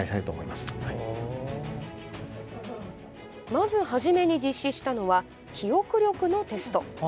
まず初めに実施したのは記憶力のテスト。